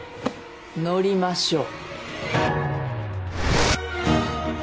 乗りましょう。